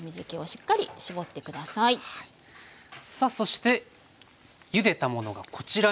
さあそしてゆでたものがこちらになります。